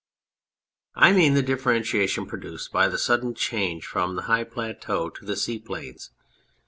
I mean the differentia tion produced by the sudden change from the high plateaux to the sea plains.